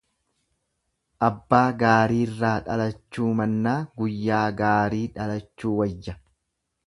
Abbaa gaarirraa dhalachuu mannaa guyyaa gaarii dhalachuu wayya.